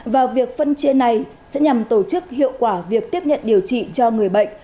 và việc phân chia này sẽ nhằm tổ chức hiệu quả việc tiếp nhận điều trị cho người bệnh